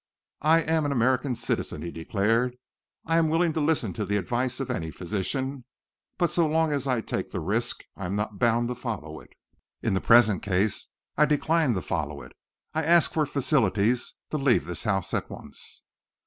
"I am an American citizen," he declared. "I am willing to listen to the advice of any physician, but so long as I take the risk, I am not bound to follow it. "In the present case I decline to follow it. I ask for facilities to leave this house at once."